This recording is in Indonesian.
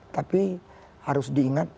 tapi harus diingat